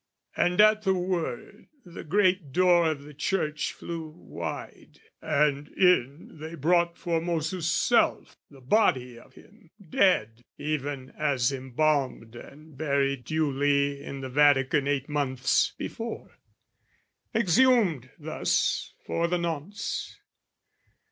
"And at the word, the great door of the church "Flew wide, and in they brought Formosus' self, "The body of him, dead, even as embalmed "And buried duly in the Vatican "Eight months before, exhumed thus for the nonce.